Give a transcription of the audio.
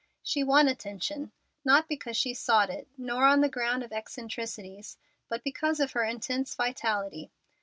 She won attention, not because she sought it, nor on the ground of eccentricities, but because of her intense vitality.